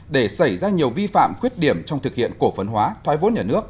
để xảy ra nhiều vi phạm khuyết điểm trong thực hiện cổ phấn hóa thoái vốn nhà nước